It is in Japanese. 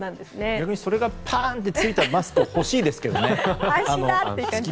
逆にそれがついたマスク欲しいですけどね。